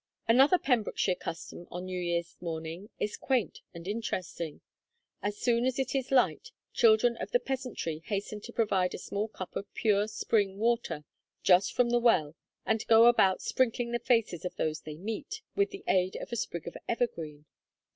Another Pembrokeshire custom on New Year's morning is quaint and interesting. As soon as it is light, children of the peasantry hasten to provide a small cup of pure spring water, just from the well, and go about sprinkling the faces of those they meet, with the aid of a sprig of evergreen.